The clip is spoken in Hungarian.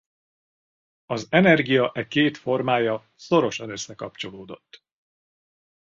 Az energia e két formája szorosan összekapcsolódott.